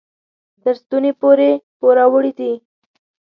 تر ستوني پورې پوروړي دي.